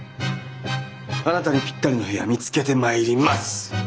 あなたにぴったりの部屋見つけてまいります！